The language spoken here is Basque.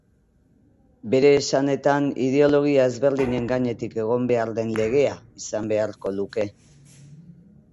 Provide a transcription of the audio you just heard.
Bere esanetan, ideologia ezberdinen gainetik egon behar den legea izan beharko luke.